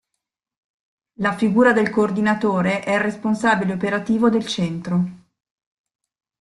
La figura del "coordinatore" è il responsabile operativo del Centro.